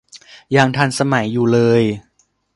ยังทันสมัยอยู่เลย